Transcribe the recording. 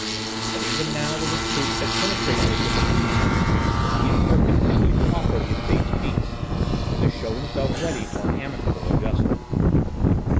But even now that his troops had penetrated into Bohemia, the Emperor continued to offer the Estates peace, and to show himself ready for an amicable adjustment.